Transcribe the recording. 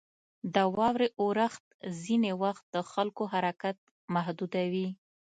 • د واورې اورښت ځینې وخت د خلکو حرکت محدودوي.